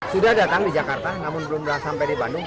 sudah datang di jakarta namun belum sampai di bandung